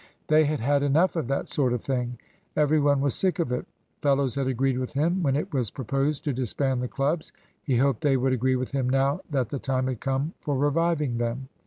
They had had enough of that sort of thing. Every one was sick of it. Fellows had agreed with him when it was proposed to disband the clubs; he hoped they would agree with him now that the time had come for reviving them.